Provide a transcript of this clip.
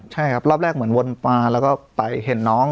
ใช่ครับรอบแรกเหมือนวนมาแล้วก็ไปเห็นน้อง